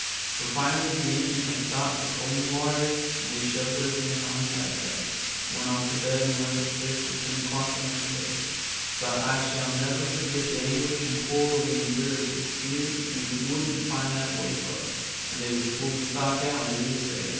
But finally the engine had to stop for coal and water, and they shoved us in on a sidetrack, went off to bed and left us there till 10 o'clock the next day. But I never shall forget the anguish and horror we endured for fear we wouldn't find that way car and they would pull the stock out and leave us there.